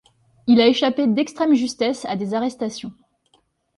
Il a échappé d'extrême justesse à des arrestations.